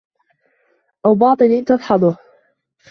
أَوْ بَاطِلٍ تَدْحَضُهُ